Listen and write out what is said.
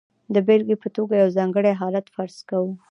د بېلګې په توګه یو ځانګړی حالت فرض کوو.